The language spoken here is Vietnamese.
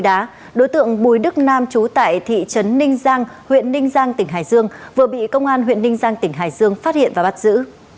đối tượng bùi đức nam trú tại thị trấn ninh giang huyện ninh giang tỉnh hải dương vừa bị công an huyện ninh giang tỉnh hải dương phát hiện và bắt giữ